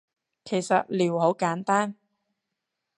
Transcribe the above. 其實撩好簡單